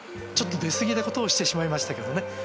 ちょっと出過ぎたことをしてしまいましたけどね。